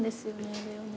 あれをね。